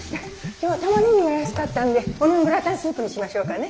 今日はタマネギが安かったんでオニオングラタンスープにしましょうかね。